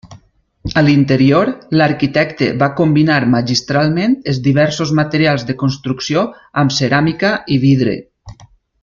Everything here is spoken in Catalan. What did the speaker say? A l'interior, l'arquitecte va combinar magistralment els diversos materials de construcció amb ceràmica i vidre.